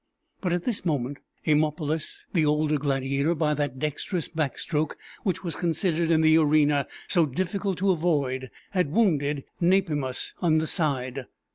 But at this moment Eumolpus, the older gladiator, by that dextrous back stroke which was considered in the arena so difficult to avoid, had wounded Nepimus in the side.